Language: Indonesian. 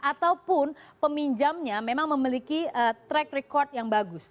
ataupun peminjamnya memang memiliki track record yang bagus